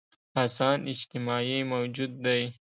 انسان اجتماعي موجود دی.